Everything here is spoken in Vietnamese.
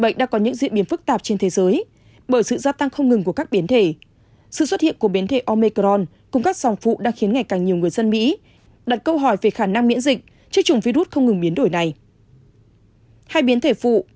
các bạn hãy đăng ký kênh để ủng hộ kênh của chúng mình nhé